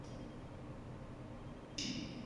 د امیر پالیسي دا ده چې دوه لوی قدرتونه پر ضد وکاروي.